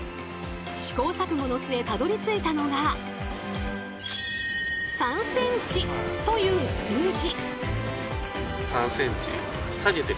試行錯誤の末たどりついたのがという数字。